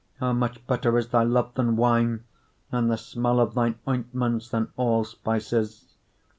how much better is thy love than wine! and the smell of thine ointments than all spices!